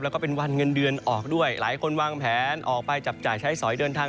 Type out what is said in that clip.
แล้วก็เป็นวันเงินเดือนออกด้วยหลายคนวางแผนออกไปจับจ่ายใช้สอยเดินทาง